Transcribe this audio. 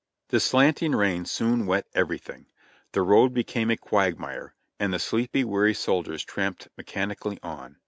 The slanting rain soon wet everything; the road became a quagmire ; and the sleepy, weary soldiers tramped mechanically on.